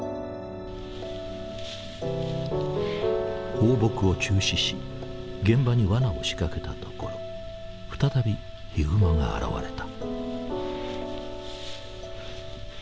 放牧を中止し現場にワナを仕掛けたところ再びヒグマが現れた。